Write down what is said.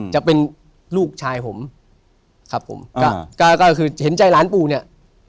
จะเป็นลูกชายผมครับผมก็ก็คือเห็นใจหลานปู่เนี่ย